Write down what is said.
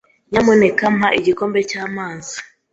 Nyamuneka mpa igikombe cy'amazi.